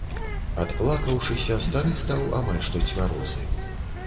Адплакаўшыся, стары стаў амаль што цвярозы.